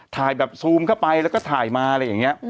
ถ่ายแบบซูมเข้าไปแล้วก็ถ่ายมาอะไรอย่างนี้